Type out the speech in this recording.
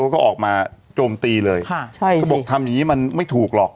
เขาก็ออกมาโจมตีเลยค่ะใช่ค่ะเขาบอกทำอย่างงี้มันไม่ถูกหรอก